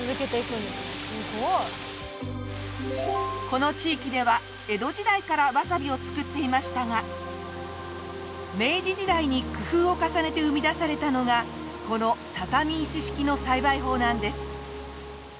この地域では江戸時代からわさびを作っていましたが明治時代に工夫を重ねて生み出されたのがこの畳石式の栽培法なんです。